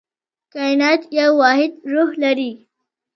کائنات یو واحد روح لري.